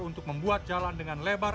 untuk membuat jalan dengan lebar